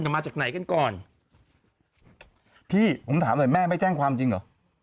มาจากไหนกันก่อนพี่ผมถามหน่อยแม่ไม่แจ้งความจริงเหรอ